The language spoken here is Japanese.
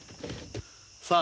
さあ。